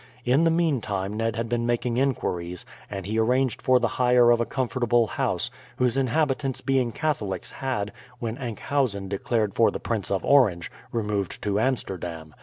In the meantime Ned had been making inquiries, and he arranged for the hire of a comfortable house, whose inhabitants being Catholics, had, when Enkhuizen declared for the Prince of Orange, removed to Amsterdam.